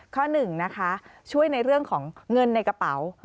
ข้อหนึ่งนะคะช่วยในเรื่องของเงินในกระเป๋า